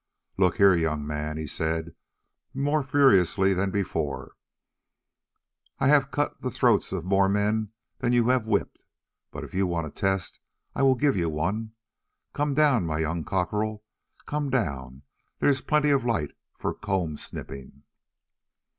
"Look here, young man," he said more furiously than before, "I have cut the throats of more men than you have whipped, but if you want a test, I will give you one. Come down, my young cockerel, come down; there is plenty of light for comb snipping."